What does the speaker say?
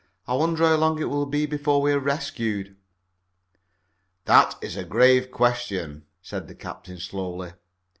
I wonder how long it will be before we are rescued?" "That is a grave question," said the captain slowly.